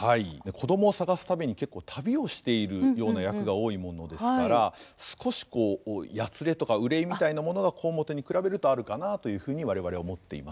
子どもを捜すために結構旅をしているような役が多いものですから少しこうやつれとか憂いみたいなものが小面に比べるとあるかなというふうに我々は思っています。